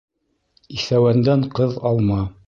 Иҫәүәндән ҡыҙ алма.